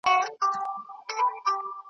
زما په څېر یو ټوپ راواچاوه له پاسه .